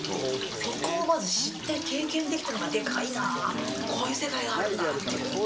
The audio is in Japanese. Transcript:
そこをまず知って、経験できたのがでかいな、こういう世界があるんだっていう。